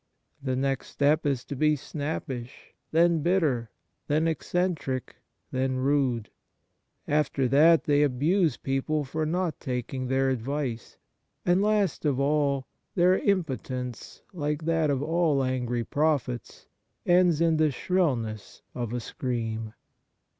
The next step is to be snappish, then bitter, then eccentric, then rude, x^fter that they abuse people for not taking their advice ; and, last of all, their impotence, like that of all angry prophets, ends in the shrillness of a scream.